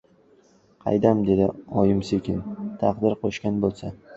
— Qaydam, — dedi oyim sekin. — Taqdir qo‘shgan bo‘lsa...